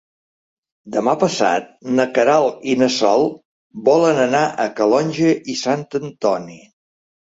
Demà passat na Queralt i na Sol volen anar a Calonge i Sant Antoni.